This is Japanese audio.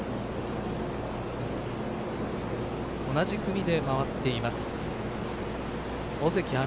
同じ組で回っています尾関彩